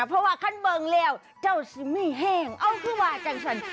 เพราะว่าคันเบิ่งแล้วเจ้าสิไม่แห้งเอาคือว่าจังฉัน